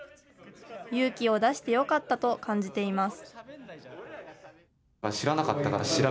勇気を出してよかったと感じています。